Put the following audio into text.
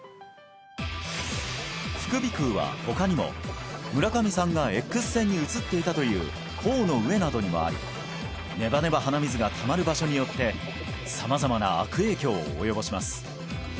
副鼻腔は他にも村上さんがＸ線に写っていたという頬の上などにもありネバネバ鼻水がたまる場所によって様々な悪影響を及ぼします